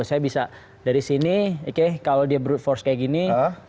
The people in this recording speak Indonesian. saya bisa dari sini oke kalau dia brut force kayak gini